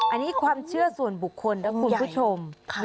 อันนี้ความเชื่อส่วนบุคคลนะคุณผู้ชม